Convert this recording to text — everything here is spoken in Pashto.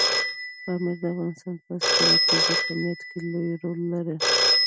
پامیر د افغانستان په ستراتیژیک اهمیت کې لوی رول لري.